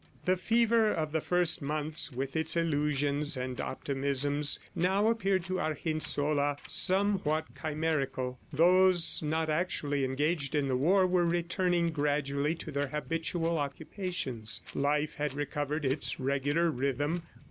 The fever of the first months, with its illusions and optimisms, now appeared to Argensola somewhat chimerical. Those not actually engaged in the war were returning gradually to their habitual occupations. Life had recovered its regular rhythm.